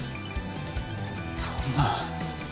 そんな。